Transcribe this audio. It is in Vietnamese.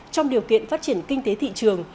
trong điều kiện phát triển kinh tế thị trường